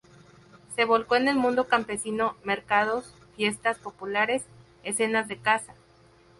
Se volcó en el mundo campesino: mercados, fiestas populares, escenas de caza.